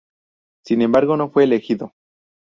Sin embargo, no fue elegido.